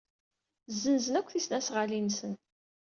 Ssenzen akk tisnasɣalin-nsen.